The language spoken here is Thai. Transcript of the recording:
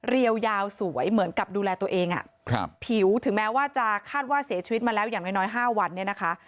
เรียวยาวสวยเหมือนกับดูแลตัวเองผิวถึงแม้ว่าจะคาดว่าเสียชีวิตมาแล้วอย่างน้อย๕วันเนี่ยนะคะ